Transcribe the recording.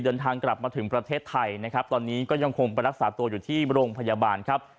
เดินทางกลับมาถึงประเทศไทยนะครับตอนนี้ก็ยังคงไปรักษาตัวอยู่ที่โรงพยาบาลครับ